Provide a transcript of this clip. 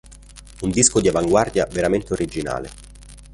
Un disco di avanguardia veramente originale.